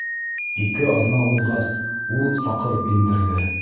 - Ике аҙна уҙғас, ул саҡырып индерҙе.